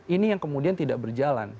ini yang kemudian tidak berjalan